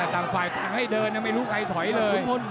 ตั้งไทยทางให้เดินไม่รู้ใครถอยเลย